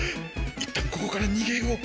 いったんここからにげよう。